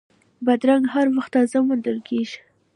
بادرنګ هر وخت تازه موندل کېږي.